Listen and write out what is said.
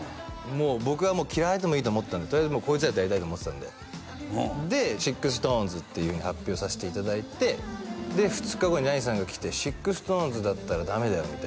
もう僕は嫌われてもいいと思ってたんでとりあえずこいつらとやりたいと思ってたんででＳＩＸＴＯＮＥＳっていうふうに発表させていただいてで２日後にジャニーさんが来て「ＳＩＸＴＯＮＥＳだったらダメだよ」